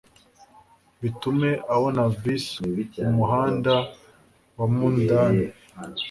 Bitume abona vice umuhanda wa mundane